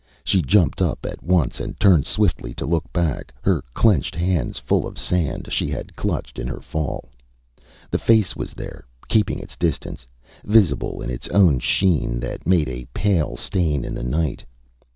She jumped up at once and turned swiftly to look back, her clenched hands full of sand she had clutched in her fall. The face was there, keeping its distance, visible in its own sheen that made a pale stain in the night.